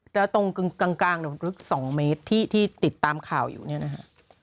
แล้วตรงกลางลึก๒เมตรที่ติดตามข่าวอยู่เนี่ยนะฮะ